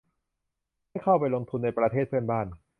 ให้เข้าไปลงทุนในประเทศเพื่อนบ้าน